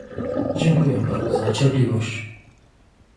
Dziękuję panu za cierpliwość